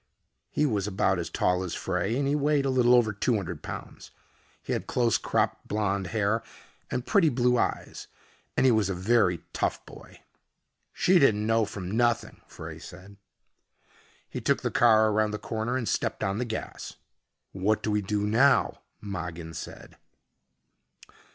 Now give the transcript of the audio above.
He was about as tall as Frey and he weighed a little over 200 pounds. He had close cropped blond hair and pretty blue eyes and he was a very tough boy. "She don't know from nothing," Frey said. He took the car around the corner and stepped on the gas. "What do we do now?" Mogin said.